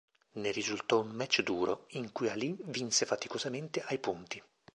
Ne risultò un match duro, in cui Alì vinse faticosamente ai punti.